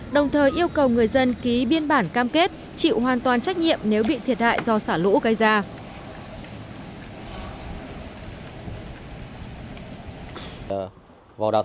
đồng thời yêu cầu người dân ký biên bản cam kết chịu hoàn toàn trách nhiệm nếu bị thiệt hại do xả lũ gây ra